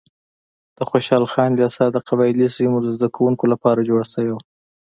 د خوشحال خان لیسه د قبایلي سیمو د زده کوونکو لپاره جوړه شوې وه.